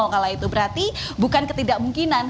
kala itu berarti bukan ketidakmungkinan